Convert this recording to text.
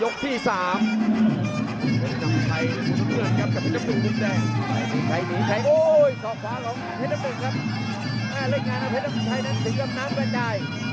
ในวงในครับแพทย์น้ำชัย